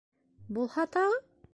— Булһа тағы.